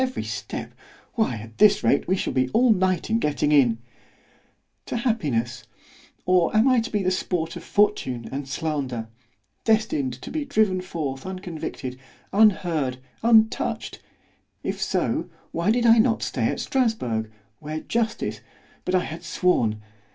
_ every step—why at this rate we shall be all night in getting in—— ——To happiness——or am I to be the sport of fortune and slander—destined to be driven forth unconvicted——unheard——untouch'd——if so, why did I not stay at Strasburg, where justice—but I had sworn!